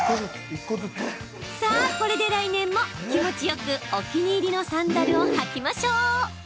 さあ、これで来年も気持ちよくお気に入りのサンダルを履きましょう。